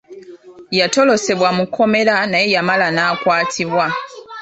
Yatolosebwa mu kkomera naye yamala n'akwatibwa.